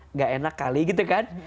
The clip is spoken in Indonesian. nggak enak kali gitu kan